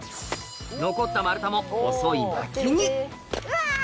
残った丸太も細い薪にうわ！